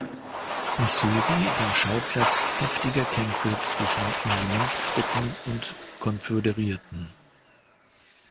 Missouri war Schauplatz heftiger Kämpfe zwischen Unionstruppen und Konföderierten.